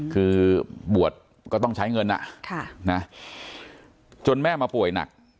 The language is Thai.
คือบวชก็ต้องใช้เงินจนแม่มาป่วยหนัก